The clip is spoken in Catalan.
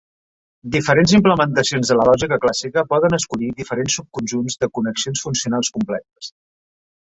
Diferents implementacions de la lògica clàssica poden escollir diferents subconjunts de connexions funcionals completes.